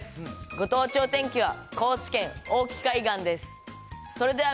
ご当地お天気は高知県大岐海岸です。